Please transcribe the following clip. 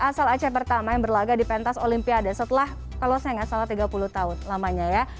asal aceh pertama yang berlaga di pentas olimpiade setelah kalau saya nggak salah tiga puluh tahun lamanya ya